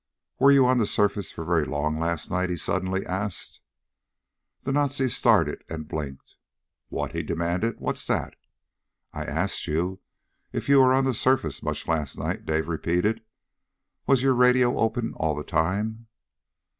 "Were you on the surface for very long last night?" he suddenly asked. The Nazi started, and blinked. "What?" he demanded. "What's that?" "I asked if you were on the surface much last night?" Dave repeated. "Was your radio open all the time?"